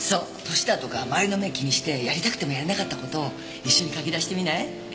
歳だとか周りの目を気にしてやりたくてもやれなかった事を一緒に書き出してみない？